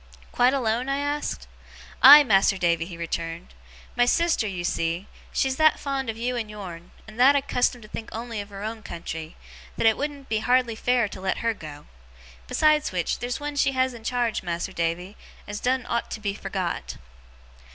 'Quite alone?' I asked. 'Aye, Mas'r Davy!' he returned. 'My sister, you see, she's that fond of you and yourn, and that accustomed to think on'y of her own country, that it wouldn't be hardly fair to let her go. Besides which, theer's one she has in charge, Mas'r Davy, as doen't ought to be forgot.